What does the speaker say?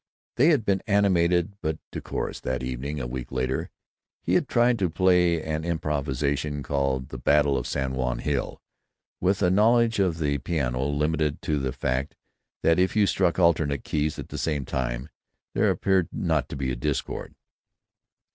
They had been animated but decorous, that evening a week later. He had tried to play an improvisation called "The Battle of San Juan Hill," with a knowledge of the piano limited to the fact that if you struck alternate keys at the same time, there appeared not to be a discord.